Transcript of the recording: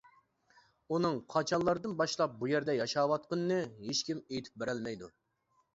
ئۇنىڭ قاچانلاردىن باشلاپ بۇ يەردە ياشاۋاتقىنى ھېچكىم ئېيتىپ بېرەلمەيدۇ.